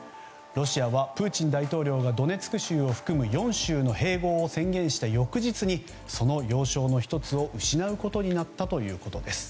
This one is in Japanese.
ロシアはプーチン大統領がドネツク州を含む４州の併合を宣言した翌日にその要衝の１つを失うことになったということです。